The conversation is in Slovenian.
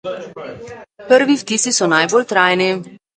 Prvi vtisi so najbolj trajni.